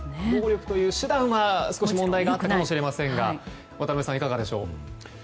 暴力という手段は少し問題があったかもしれませんが渡辺さん、いかがでしょう。